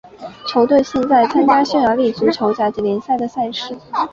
球队现在参加匈牙利足球甲级联赛的赛事。